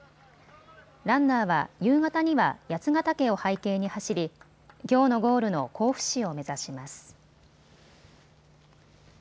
ランナーは夕方には八ヶ岳を背景に走りきょうのゴールの甲府市を目指します。